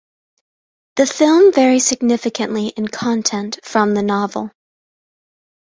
The film varies significantly in content from the novel.